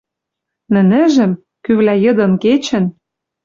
Нӹнӹжӹм, кӱвлӓ йыдын-кечӹн